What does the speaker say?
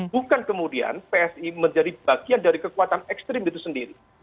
bukan kemudian psi menjadi bagian dari kekuatan ekstrim itu sendiri